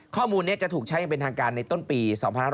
ข้อมูลนี้จะถูกใช้อย่างเป็นทางการในต้นปี๒๕๖๒